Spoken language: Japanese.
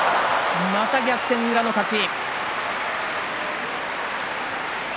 また逆転、宇良の勝ち。